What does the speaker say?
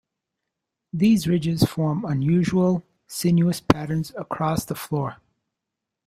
These ridges form unusual, sinuous patterns across the floor.